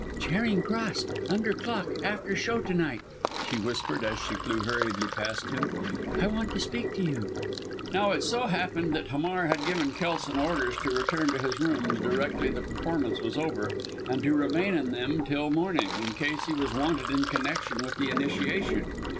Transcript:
"Charing Cross under clock after show to night," she whispered as she flew hurriedly past him. "I want to speak to you." Now it so happened that Hamar had given Kelson orders to return to his rooms, directly the performance was over, and to remain in them till morning, in case he was wanted in connection with the initiation.